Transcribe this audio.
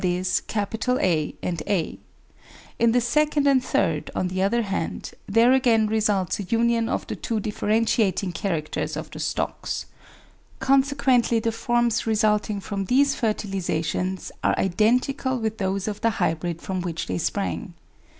A 338 APPENDIX and a; in the second and third, on the other hand, there again results a union of the two differentiating characters of the stocks, consequently the forms resulting from these fertilisations are identical with those of the hybrid from which they sprang.